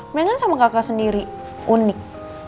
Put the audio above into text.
mereka kan sama kakak sendiri unik